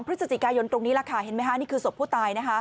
พฤศจิกายนตรงนี้แหละค่ะเห็นไหมคะนี่คือศพผู้ตาย